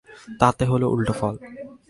তাতে হল উলটো ফল।